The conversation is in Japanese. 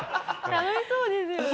楽しそうですよね